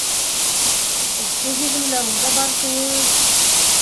Эске һиҙемләүең дә бар кеүек...